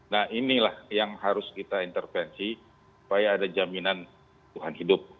nah inilah yang harus kita intervensi supaya ada jaminan tuhan hidup